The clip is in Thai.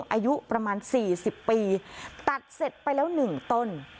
อายุประมาณสี่สิบปีตัดเสร็จไปแล้วหนึ่งต้น